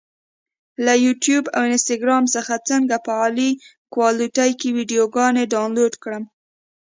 له یوټیوب او انسټاګرام څخه څنګه په اعلی کوالټي کې ویډیوګانې ډاونلوډ کړم؟